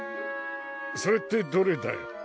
それってどれだよ？